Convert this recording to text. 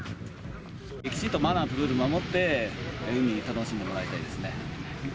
きちっとマナーとルールを守って、海を楽しんでもらいたいですね。